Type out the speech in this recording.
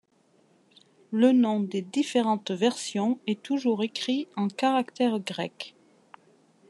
Le nom des différentes versions est toujours écrit en caractères grecs.